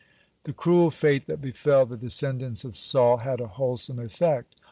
(116) The cruel fate that befell the descendants of Saul had a wholesome effect.